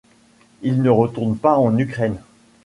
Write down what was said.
Il ne retourne pas en Ukraine.